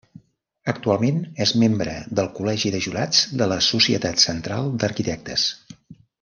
Actualment és membre del Col·legi de Jurats de la Societat Central d'Arquitectes.